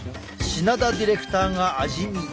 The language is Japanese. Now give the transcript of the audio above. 品田ディレクターが味見！